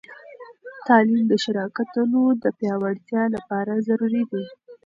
تعلیم د شراکتونو د پیاوړتیا لپاره ضروری دی.